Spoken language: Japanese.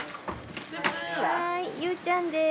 はいゆうちゃんです。